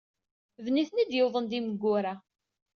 D nitni ay d-yuwḍen d imeggura.